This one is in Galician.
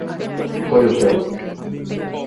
Foi o seu.